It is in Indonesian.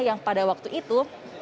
yang pada waktu itu